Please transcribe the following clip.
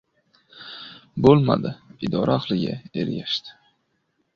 Bo‘lmadi, idora ahliga ergashdi.